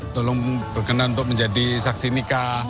tolong berkenan untuk menjadi saksi nikah